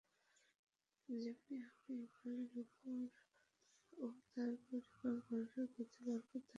যেমনি আপনি ইব্রাহীমের উপর ও তাঁর পরিবারবর্গের প্রতি বরকত দান করেছিলেন।